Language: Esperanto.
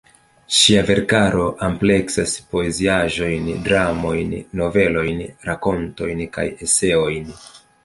Ŝia verkaro ampleksas poeziaĵojn, dramojn, novelojn, rakontojn kaj eseojn.